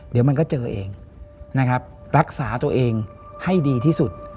เดี๋ยวมันก็เจอเองนะครับรักษาตัวเองให้ดีที่สุด